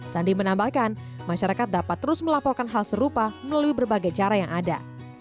sandi menambahkan masyarakat dapat terus melaporkan hal serupa melalui berbagai cara yang ada